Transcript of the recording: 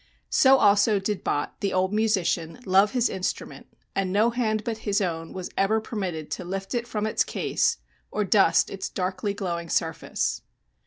So also did Bott, the old musician, love his instrument, and no hand but his own was ever permitted to lift it from its case or dust its darkly glowing surface.